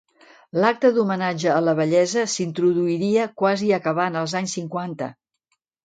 L'acte d'homenatge a la vellesa s'introduiria quasi acabant els anys cinquanta.